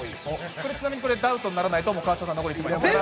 ちなみに、これダウトにならないと川島さんあがりです。